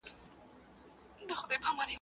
چي ډېر غواړي جنگونه، هغه ډېر کوي ودونه.